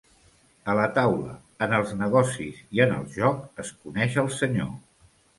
A la taula, en els negocis i en el joc, es coneix el senyor.